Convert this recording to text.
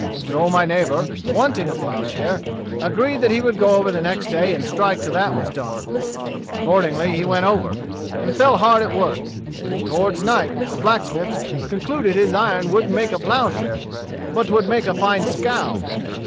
"So my neighbor, wanting a ploughshare, agreed that he would go over the next day and strike till that was done. Accordingly he went over, and fell hard at work. But toward night the blacksmith concluded his iron wouldn't make a ploughshare, but 'twould make a fine skow.